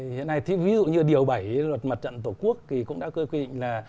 hiện nay thì ví dụ như điều bảy luật mặt trận tổ quốc thì cũng đã quy định là